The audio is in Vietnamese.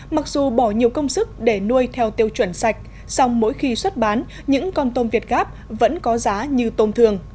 mặc dù bỏ nhiều công sức để nuôi theo tiêu chuẩn sạch song mỗi khi xuất bán những con tôm việt gáp vẫn có giá như tôm thường